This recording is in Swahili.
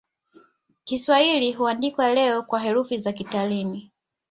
Kiswahili huandikwa leo kwa herufi za Kilatini.